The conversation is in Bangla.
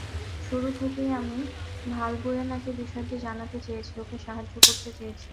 শুরু থেকেই আমি ভালবুয়েনাকে বিষয়টি জানাতে চেয়েছি, ওকে সাহায্য করতে চেয়েছি।